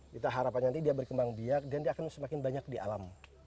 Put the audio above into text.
kita harapkan nanti dia berkembang biak dan dia akan semakin banyak di alam